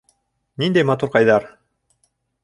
Ниндәй матурҡайҙар!